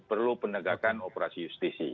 perlu penegakan operasi justisi